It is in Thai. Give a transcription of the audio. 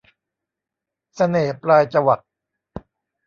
เสน่ห์ปลายจวัก